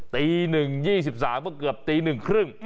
ตีหนึ่ง๒๓ก็เกือบตีหนึ่งครึ่ง